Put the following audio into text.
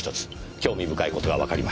興味深い事がわかりました。